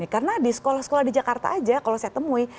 karena di sekolah sekolah di jakarta aja kalau saya temui